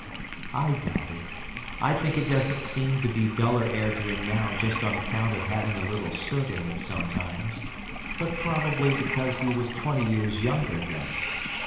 I doubt it! I think it doesn't seem to be duller air to him now just on account of having a little soot in it sometimes, but probably because he was twenty years younger then.